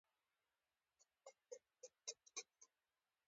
د غزل تر پایه پورې سېلابونه مساوي راځي.